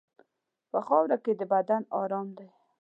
په خاوره کې د بدن ارام دی.